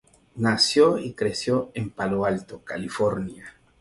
Nació y creció en Palo Alto, California.